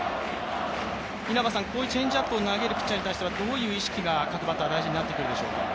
こういうチェンジアップを投げるピッチャーに対してはどういう意識が各くバッターは大事になってくるでしょうか？